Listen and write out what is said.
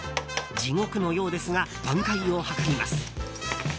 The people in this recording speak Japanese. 地獄のようですが挽回を図ります。